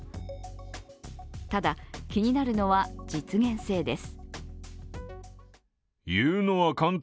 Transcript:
ただ、気になるのは実現性です。